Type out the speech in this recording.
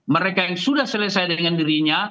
mereka yang sudah selesai dengan dirinya